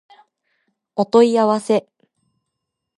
お問い合わせ